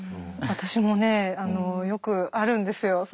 私もねよくあるんですよ。